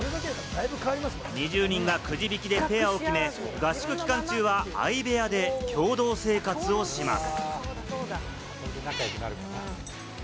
２０人がくじ引きでペアを組み、合宿期間中は相部屋で共同生活をします。